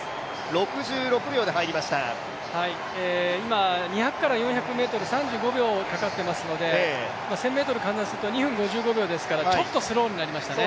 今２００から４００ｍ、３５秒かかっていますので１０００ｍに換算すると２５秒程度ですから、ちょっとスローになりましたね。